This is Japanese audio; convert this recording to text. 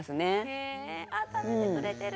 へえあ食べてくれてる。